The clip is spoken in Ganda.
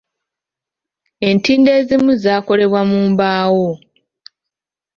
Entindo ezimu zaakolebwa mu mbaawo.